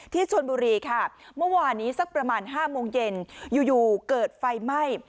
ชนบุรีค่ะเมื่อวานนี้สักประมาณ๕โมงเย็นอยู่เกิดไฟไหม้